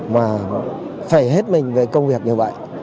mà phải hết mình về công việc như vậy